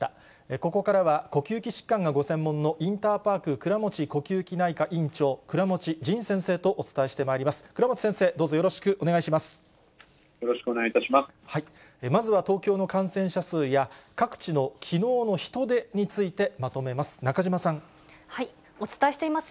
ここからは呼吸器疾患がご専門の、インターパーク倉持呼吸器内科院長、倉持仁先生とお伝えしてまいります。